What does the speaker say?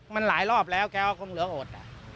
มันหลายรอบแล้วแค่ว่าคงเหลือโอ๊ต